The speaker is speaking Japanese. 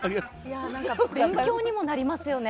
勉強にもなりますよね。